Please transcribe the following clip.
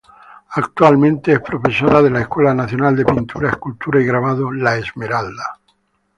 Actualmente es profesora en la Escuela Nacional de Pintura, Escultura y Grabado, "La Esmeralda".